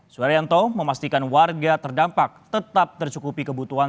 suharyanto memastikan warga terdampak tetap tercukupi kebutuhan